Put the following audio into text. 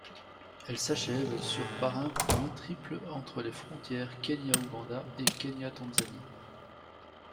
Elle s'achève sur par un point triple entre les frontières Kenya-Ouganda et Kenya-Tanzanie.